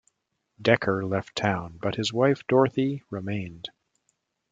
Decker left town, but his wife, Dorothy, remained.